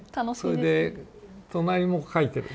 それで隣も描いてる。